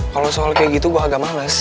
kalau soal kayak gitu gue agak males